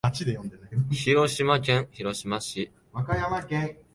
広島県広島市